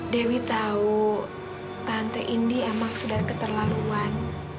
dewi tahu tante indi emang sudah keterlaluan